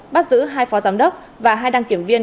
bắt giữ hai phó giám đốc và hai đăng kiểm viên